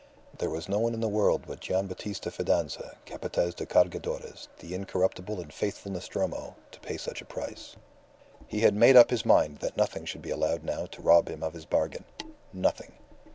There was no one in the world but Gian' Battista Fidanza, Capataz de Cargadores, the incorruptible and faithful Nostromo, to pay such a price. He had made up his mind that nothing should be allowed now to rob him of his bargain. Nothing.